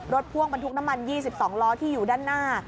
พ่วงบรรทุกน้ำมัน๒๒ล้อที่อยู่ด้านหน้า